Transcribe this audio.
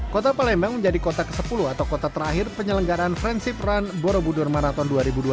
kota palembang menjadi kota ke sepuluh atau kota terakhir penyelenggaran friendship run borobudur marathon dua ribu dua puluh